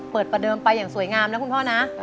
ประเดิมไปอย่างสวยงามนะคุณพ่อนะ